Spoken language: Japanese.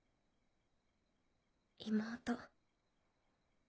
妹。